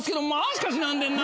しかし何でんな。